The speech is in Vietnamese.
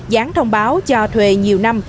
gián thông báo cho thuê nhiều năm